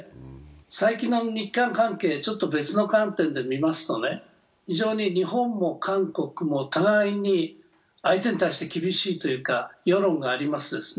最近の日韓関係、別の観点で見ますと、非常に日本も韓国も互いに相手に対して厳しい世論がありますね。